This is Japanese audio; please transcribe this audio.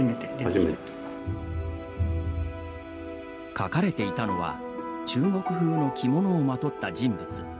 描かれていたのは中国風の着物をまとった人物。